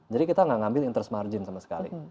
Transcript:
kita nggak ngambil interest margin sama sekali